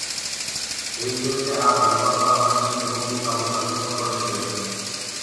হেইজেলকে আর ব্যবহার করা হয়নি এবং তিনি অবসর গ্রহণ করেছিলেন।